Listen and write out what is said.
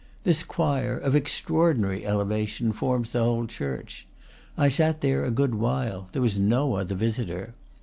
This choir, of extraordinary elevation, forms the whole church. I sat there a good while; there was no other visitor.